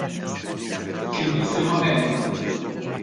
Kien jisimha Helen.